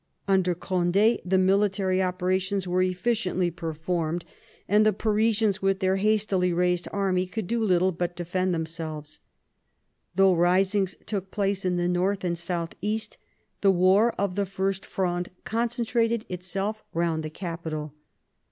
Under Cond^ the military operations were efficiently performed, and the Parisians, IV THE PARLIAMENTARY FRONDE 71 with their hastily raised army, could do little but defend themselves. Though risings took place in the north and south east, the war of the First Fronde concentrated itself round the capital.